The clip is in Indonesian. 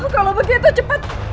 kalau begitu cepat